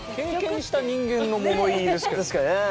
確かにねえ。